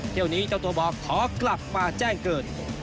เที่ยวนี้เจ้าตัวบอกขอกลับมาแจ้งเกิด